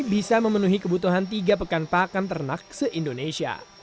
bisa memenuhi kebutuhan tiga pekan pakan ternak se indonesia